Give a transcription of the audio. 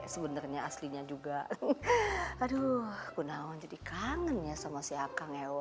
sebenarnya aslinya juga aduh kena on jadi kangen ya sama si akang ewo